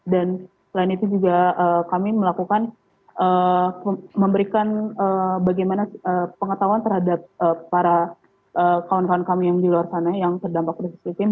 dan selain itu juga kami melakukan memberikan bagaimana pengetahuan terhadap para kawan kawan kami yang di luar sana yang terdampak krisis ekim